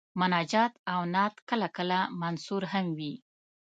مناجات او نعت کله کله منثور هم وي.